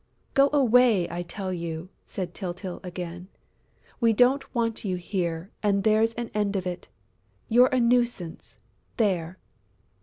"Go away, I tell you!" said Tyltyl again. "We don't want you here and there's an end of it.... You're a nuisance, there!..."